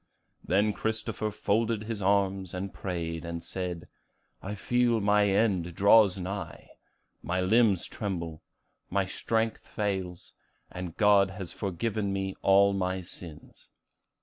Then Christopher folded his arms, and prayed, and said, 'I feel my end draws nigh. My limbs tremble; my strength fails; and God has forgiven me all my sins.